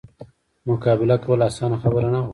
مقابله کول اسانه خبره نه وه.